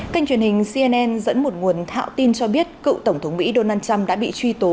kênh truyền hình cnn dẫn một nguồn thạo tin cho biết cựu tổng thống mỹ donald trump đã bị truy tố